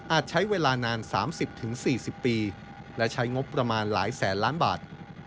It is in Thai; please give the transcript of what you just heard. ใช้เวลานาน๓๐๔๐ปีและใช้งบประมาณหลายแสนล้านบาท